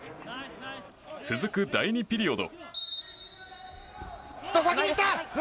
続く第２ピリオド。